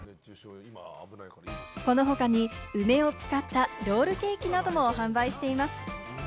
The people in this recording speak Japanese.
この他に梅を使ったロールケーキなども販売しています。